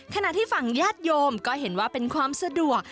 ขณะที่ฝั่งญาติโยมก็เห็นว่าเป็นความสะดวก